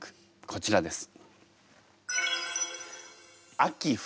こちらです。